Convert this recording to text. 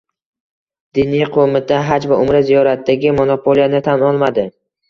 Diniy qo‘mita Haj va Umra ziyoratidagi monopoliyani tan olmadi